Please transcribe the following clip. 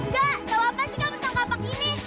kak tahu apa sih kamu tahu kapak ini